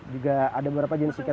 juga ada beberapa jenis ikan